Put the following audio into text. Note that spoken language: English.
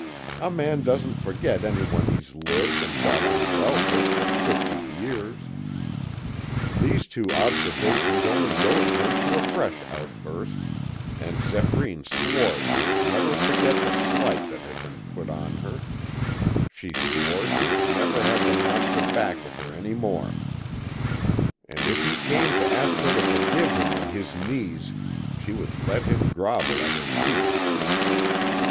A man doesn't forget anyone he's lived and got on well with for fifty years These two observations only goaded her to a fresh outburst, and Zéphyrine swore she would never forget the slight that had been put on her; she swore she would never have the monster back with her any more. And if he came to ask her to forgive him on his knees, she would let him grovel at her feet.